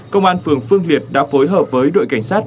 công an phường phương liệt đã phối hợp với đội cảnh sát